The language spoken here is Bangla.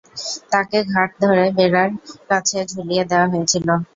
তাকে ঘাড় ধরে বেড়ার কাছে ঝুলিয়ে দেওয়া হয়েছিল।